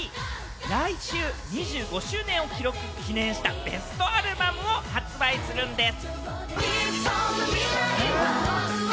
来週２５周年を記念したベストアルバムを発売するんです。